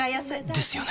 ですよね